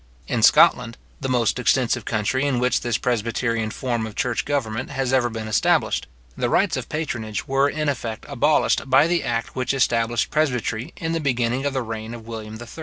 In Scotland, the most extensive country in which this presbyterian form of church government has ever been established, the rights of patronage were in effect abolished by the act which established presbytery in the beginning of the reign of William III.